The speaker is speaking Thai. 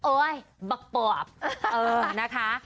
โอ๊ยบะปบเออนะคะ